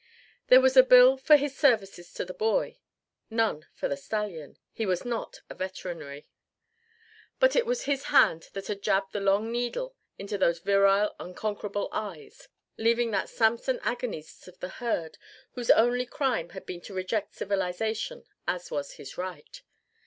There was a bill for his services to the boy; none for the stallion; he was not a veterinary. But it was his hand that had jabbed the long needle into those virile unconquerable eyes leaving that Samson Agonistes of the herd whose only crime had been to reject civilization, as was his right.